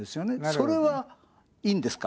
それはいいんですか？